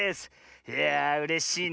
いやあうれしいね。